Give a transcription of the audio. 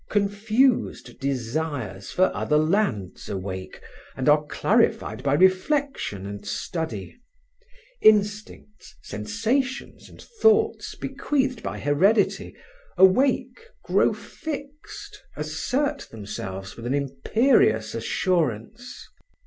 Confused desires for other lands awake and are clarified by reflection and study. Instincts, sensations and thoughts bequeathed by heredity, awake, grow fixed, assert themselves with an imperious assurance.